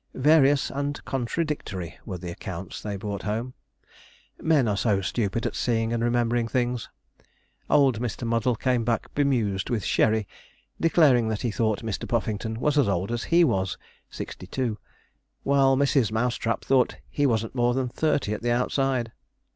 Various and contradictory were the accounts they brought home. Men are so stupid at seeing and remembering things. Old Mr. Muddle came back bemused with sherry, declaring that he thought Mr. Puffington was as old as he was (sixty two), while Mrs. Mousetrap thought he wasn't more than thirty at the outside.